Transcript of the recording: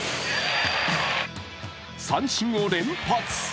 三振を連発。